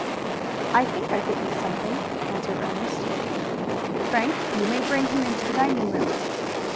"I think I could eat something," answered Ernest. "Frank, you may bring him into the dining room."